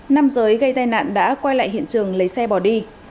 nam giới gây tai nạn đã quay lại hiện trường lấy xe bỏ đi